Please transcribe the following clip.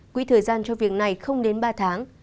quỹ thời gian cho việc này không đến ba tháng